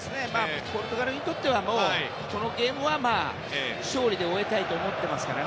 ポルトガルにとってはもう、このゲームは勝利で終えたいと思っていますから。